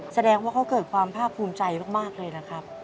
แสดงว่าเขาเกิดความภาคภูมิใจมากเลยนะครับ